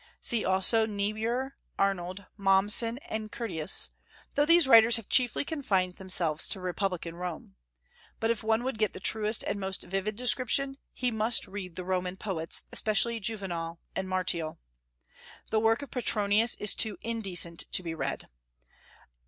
See also Niebuhr, Arnold, Mommsen, and Curtius, though these writers have chiefly confined themselves to republican Rome. But if one would get the truest and most vivid description, he must read the Roman poets, especially Juvenal and Martial. The work of Petronius is too indecent to be read.